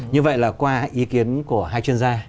như vậy là qua ý kiến của hai chuyên gia